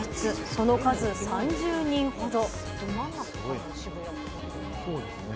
その数３０人ほど。